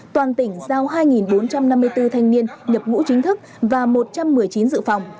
toàn tỉnh giao hai bốn trăm năm mươi bốn thanh niên nhập ngũ chính thức và một trăm một mươi chín dự phòng